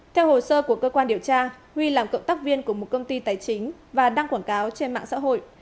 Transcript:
theo hồ sơ của cơ quan điều tra huy làm cộng tác viên của một công ty tài chính và đăng quảng cáo trên mạng xã hội